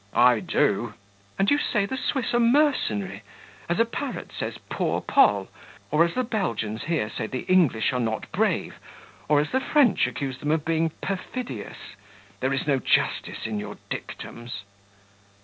"I do." "And you say the Swiss are mercenary, as a parrot says 'Poor Poll,' or as the Belgians here say the English are not brave, or as the French accuse them of being perfidious: there is no justice in your dictums."